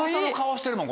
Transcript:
してるもん